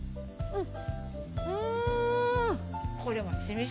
うん！